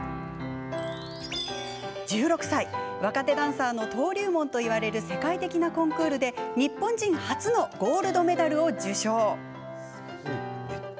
１６歳、若手ダンサーの登竜門といわれる世界的なコンクールで日本人初のゴールドメダルを受賞。